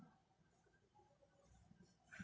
มีเวลาเมื่อเวลาเมื่อเวลา